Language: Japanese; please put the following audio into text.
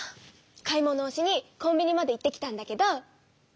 買い物をしにコンビニまで行ってきたんだけど。